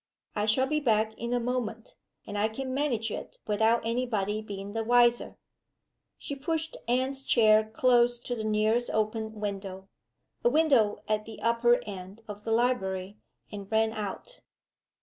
I shall be back in a moment; and I can manage it without any body being the wiser." She pushed Anne's chair close to the nearest open window a window at the upper end of the library and ran out.